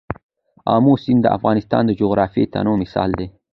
آمو سیند د افغانستان د جغرافیوي تنوع مثال دی.